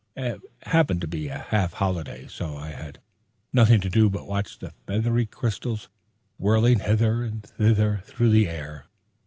It happened to be a half holiday, so I had nothing to do but watch the feathery crystals whirling hither and thither through the air.